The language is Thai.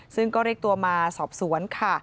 ซึ่งก็เรียกตัวมาสอบสวนค่ะ